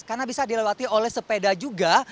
karena bisa dilakukan di mana mana